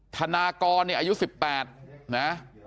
ธนกรอายุ๑๘นะ